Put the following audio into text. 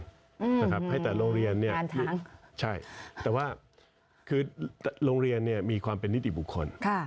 ใช่แต่ว่าโรงเรียนมีความเป็นนิติบุคคล